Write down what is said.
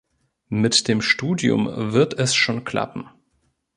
Mit dem Studium wird es schon klappen.